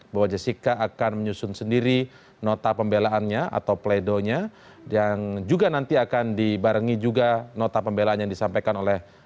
bahwa jessica akan menyusun sendiri nota pembelaannya atau pleidonya yang juga nanti akan dibarengi juga nota pembelaan yang disampaikan oleh